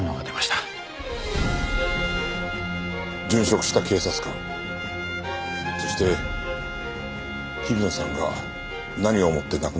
殉職した警察官そして日比野さんが何を思って亡くなっていったのか。